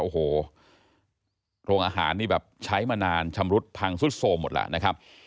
โอ้โหโรงอาหารนี่แบบใช้มานานชำรุดพังสุดโสมหมดแล้วนะครับ